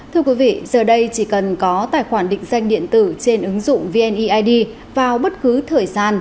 thưa quý vị giờ đây chỉ cần có tài khoản định danh điện tử trên ứng dụng vneid vào bất cứ thời gian